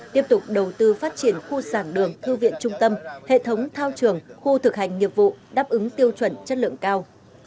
tiếp tục đầu tư phát triển khu sản đường thư viện trung tâm hệ thống thao trường khu thực hành nghiệp vụ đáp ứng tiêu chuẩn chất lượng cao